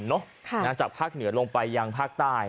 จากภาครไทยหลงไปที่ภาคใต้